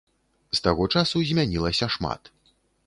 З таго часу змянілася шмат.